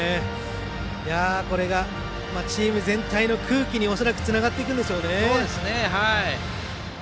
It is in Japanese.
これがチーム全体の空気に恐らくつながっていくんでしょうね。